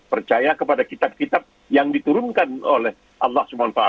percaya kepada kitab kitab yang diturunkan oleh allah swt